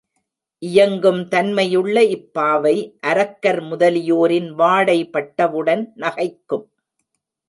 இயங்கும் தன்மையுள்ள இப் பாவை அரக்கர் முதலியோரின் வாடை பட்டவுடன் நகைக்கும்.